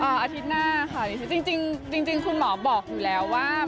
อาทิตย์หน้าค่ะจริงจริงคุณหมอบอกอยู่แล้วว่า